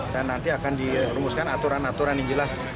dan nanti akan dirumuskan aturan aturan yang jelas